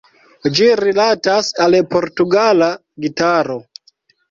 Ĝi rilatas al Portugala gitaro.